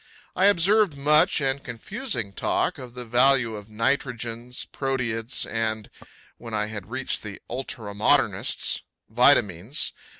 I observed much and confusing talk of the value of nitrogens, proteids and when I had reached the ultra modernists vitamines.